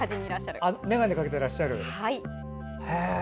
眼鏡かけてらっしゃる。